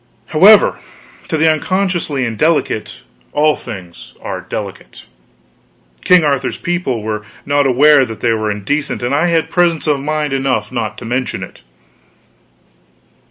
However, to the unconsciously indelicate all things are delicate. King Arthur's people were not aware that they were indecent and I had presence of mind enough not to mention it.